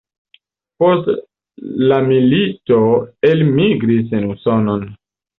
Post la milito elmigris en Usonon.